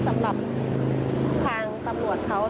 สำหรับทางตำรวจเขา